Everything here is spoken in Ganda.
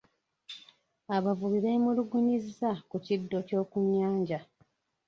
Abavubi beemulugunyizza ku kiddo ky'oku nnyanja.